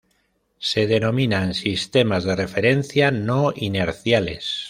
Se denominan sistemas de referencia no inerciales.